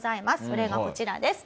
それがこちらです。